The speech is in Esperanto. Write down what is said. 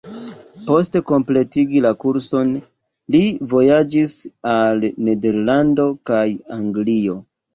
Post kompletigi la kurson, li vojaĝis al Nederlando kaj Anglio.